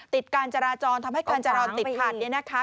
การจราจรทำให้การจราจรติดขัด